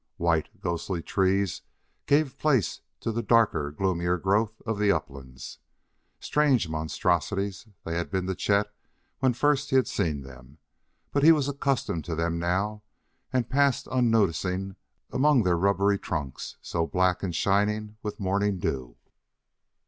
White, ghostly trees gave place to the darker, gloomier growth of the uplands. Strange monstrosities, they had been to Chet when first he had seen them, but he was accustomed to them now and passed unnoticing among their rubbery trunks, so black and shining with morning dew.